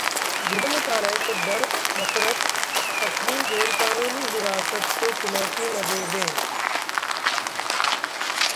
गृह मंत्रालय को डर, मसरत अपनी गैरकानूनी हिरासत को चुनौती न दे दे